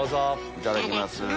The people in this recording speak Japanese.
いただきます。